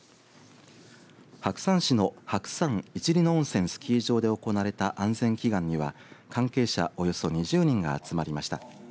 白山市の白山一里野温泉スキー場で行われた安全祈願には、関係者およそ２０人が集まりました。